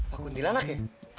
pak gundila nak ya